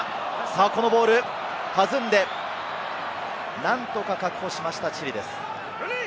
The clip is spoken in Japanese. さぁこのボール、弾んで、何とか確保しました、チリです。